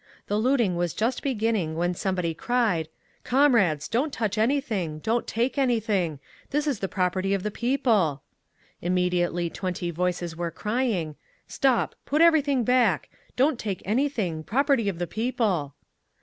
The looting was just beginning when somebody cried, "Comrades! Don't touch anything! Don't take anything! This is the property of the People!" Immediately twenty voices were crying, "Stop! Put everything back! Don't take anything! Property of the People!"